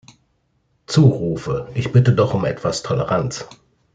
Zurufe Ich bitte doch um etwas Toleranz!